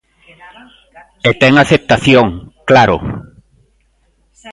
E ten aceptación, claro.